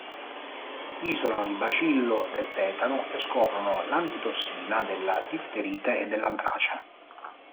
Isolano il bacillo del tetano e scoprono l'antitossina della difterite e dell'antrace.